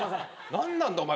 何なんだお前。